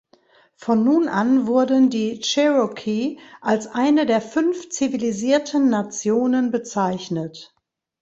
Von nun an wurden die Cherokee als eine der „Fünf zivilisierten Nationen“ bezeichnet.